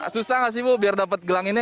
susah nggak sih bu biar dapat gelanginnya